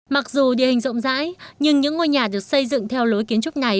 mặc dù địa hình rộng rãi nhưng những ngôi nhà được xây dựng theo lối kiến trúc này